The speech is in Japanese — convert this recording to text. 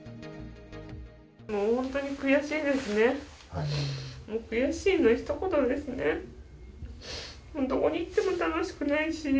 もう本当に悔しいですね。